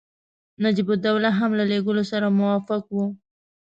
نجیب الدوله هم د لېږلو سره موافق وو.